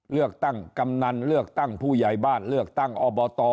เลือกตั้งกำนันเลือกตั้งผู้ใหญ่บ้านเลือกตั้งอบต